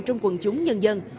trong quần chúng nhân dân